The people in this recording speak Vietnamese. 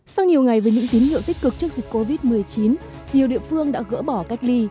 sau nhiều ngày với những tín hiệu tích cực trước dịch covid một mươi chín nhiều địa phương đã gỡ bỏ cách ly